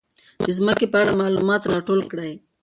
د ځمکې په اړه معلومات راټول کړئ.